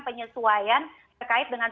penyesuaian terkait dengan